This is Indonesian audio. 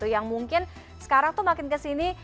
yang mungkin sekarang tuh makin kesini